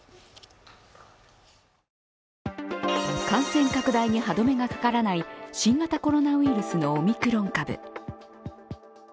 感染拡大に歯止めがかからない新型コロナウイルスのオミクロン株。